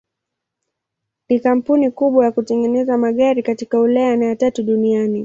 Ni kampuni kubwa ya kutengeneza magari katika Ulaya na ya tatu duniani.